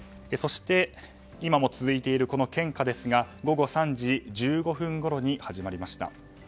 今も続いている献花ですが午後３時１５分ごろに始まりました。